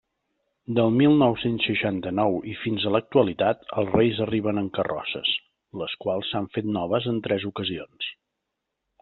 Del mil nou-cents seixanta-nou i fins a l'actualitat, els Reis arriben en carrosses, les quals s'han fet noves en tres ocasions.